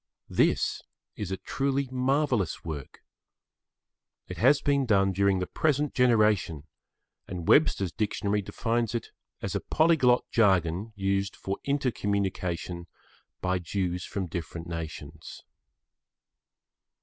This is a truly marvellous work. It has been done during the present generation, and Webster's Dictionary defines it as a polyglot jargon used for inter communication by Jews from different nations.